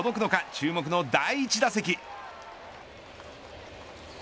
注目の第１打席。